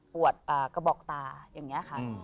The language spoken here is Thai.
กระบอกตาอย่างนี้ค่ะ